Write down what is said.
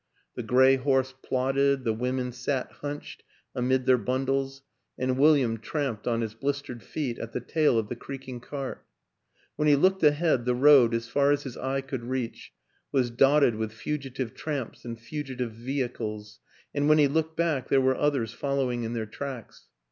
The gray horse plodded, the women sat hunched amid their bundles, and William tramped on his blis tered feet at the tail of the creaking cart; when he looked ahead the road, as far as his eye could reach, was dotted with fugitive tramps and fugi tive vehicles and when he looked back there were others following in their tracks.